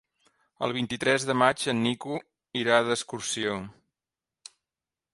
El vint-i-tres de maig en Nico irà d'excursió.